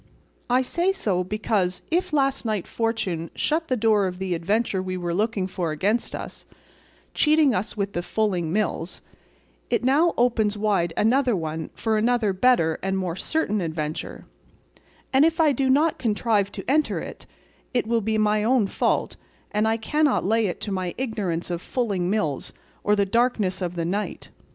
I say so because if last night fortune shut the door of the adventure we were looking for against us, cheating us with the fulling mills, it now opens wide another one for another better and more certain adventure, and if I do not contrive to enter it, it will be my own fault, and I cannot lay it to my ignorance of fulling mills, or the darkness of the night.